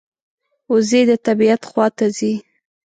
وزې د طبعیت خوا ته ځي